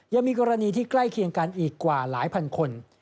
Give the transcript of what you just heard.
ยังมีกรณีที่ใกล้เคียงกันอีกกว่าหลายพันคน